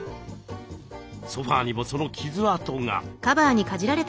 ソファーにもその傷跡が。